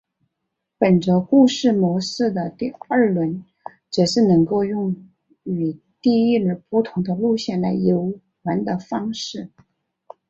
本作故事模式的第二轮则是能够用与第一轮不同的路线来游玩的方式。